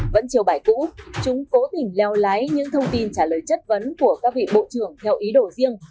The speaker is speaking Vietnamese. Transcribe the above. vẫn chiều bài cũ chúng cố tình leo lái những thông tin trả lời chất vấn của các vị bộ trưởng theo ý đồ riêng